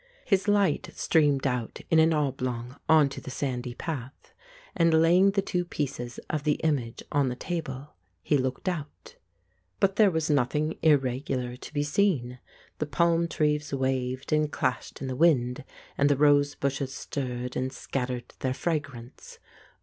His light streamed out in an oblong on to the sandy path, and, laying the two pieces of the image on the table, he looked out. But there was nothing irregular to be seen ; the palm trees waved and clashed in the wind, and the rose bushes stirred and scattered their fragrance.